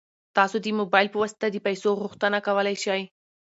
تاسو د موبایل په واسطه د پيسو غوښتنه کولی شئ.